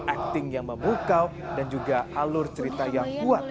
acting yang memukau dan juga alur cerita yang kuat